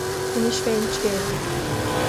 Inis féin scéal.